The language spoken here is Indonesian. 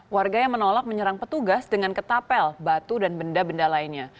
warga yang menolak menyerang petugas dengan ketapel batu dan benda benda lainnya